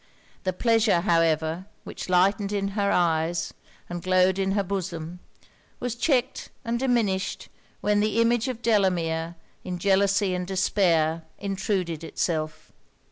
The pleasure, however, which lightened in her eyes, and glowed in her bosom, was checked and diminished when the image of Delamere, in jealousy and despair, intruded itself.